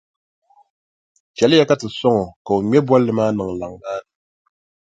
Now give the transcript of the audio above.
Chɛliya ka ti sɔŋ o ka o ŋme bolli maa niŋ laŋ maa ni.